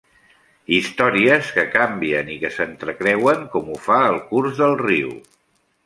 Històries que canvien i que s'entrecreuen com ho fa el curs del riu.